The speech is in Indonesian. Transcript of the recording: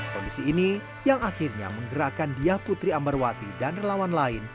kondisi ini yang akhirnya menggerakkan diah putri ambarwati dan relawan lain